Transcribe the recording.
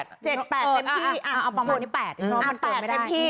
๗๘เต็มที่เอาประมาณ๘เต็มที่